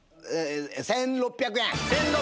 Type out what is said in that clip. １６００円。